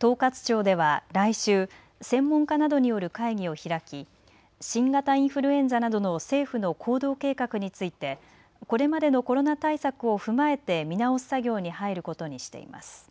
統括庁では、来週専門家などによる会議を開き新型インフルエンザなどの政府の行動計画についてこれまでのコロナ対策を踏まえて見直す作業に入ることにしています。